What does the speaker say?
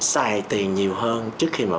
xài tiền nhiều hơn trước khi mà